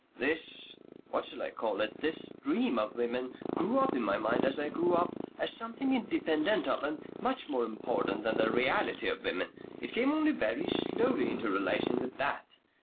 "This what shall I call it? this Dream of Women, grew up in my mind as I grew up as something independent of and much more important than the reality of Women. It came only very slowly into relation with that.